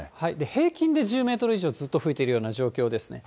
平均で１０メートル以上ずっと吹いているような状況ですね。